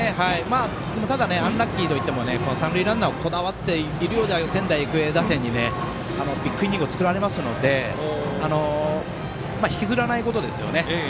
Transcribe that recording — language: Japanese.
ただアンラッキーといっても、三塁ランナーにこだわっているような仙台育英打線にビッグイニングを作られますので引きずらないことですね。